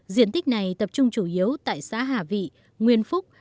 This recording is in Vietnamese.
diện tích này tập trung chủ yếu tại xã hà vị nguyên phúc